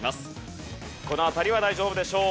この辺りは大丈夫でしょう。